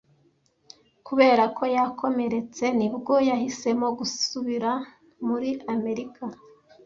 Kubera ko yakomeretse ni bwo yahisemo gusubira muri Amerika.